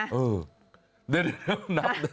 นับนิ้วเลยเหรอ